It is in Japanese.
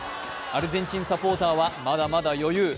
アルゼンチンサポーターは、まだまだ余裕。